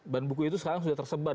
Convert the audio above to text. dan buku itu sekarang sudah tersebar